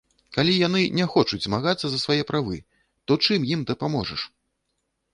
Калі яны не хочуць змагацца за свае правы, то чым ім дапаможаш?